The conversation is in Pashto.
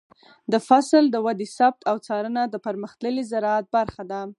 د فصل د ودې ثبت او څارنه د پرمختللي زراعت برخه ده.